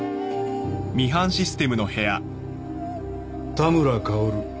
田村薫。